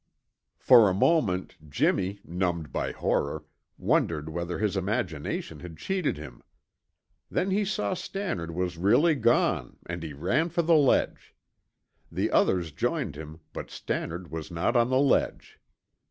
For a moment Jimmy, numbed by horror, wondered whether his imagination had cheated him. Then he saw Stannard was really gone and he ran for the ledge. The others joined him, but Stannard was not on the ledge.